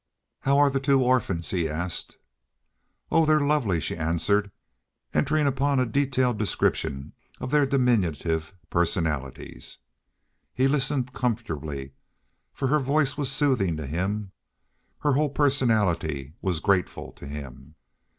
"How are the two orphans?" he asked. "Oh, they're lovely," she answered, entering upon a detailed description of their diminutive personalities. He listened comfortably, for her voice was soothing to him. Her whole personality was grateful to him.